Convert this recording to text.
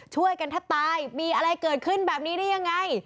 ช่วยกันแทบตายมีอะไรเกิดขึ้นแบบนี้ได้ยังไง